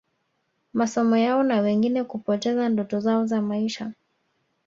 masomo yao na wengine kupoteza ndoto zao za maisha